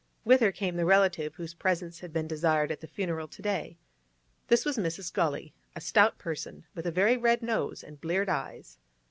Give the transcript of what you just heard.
With her came the relative whose presence had been desired at the funeral to day. This was Mrs. Gully, a stout person with a very red nose and bleared eyes.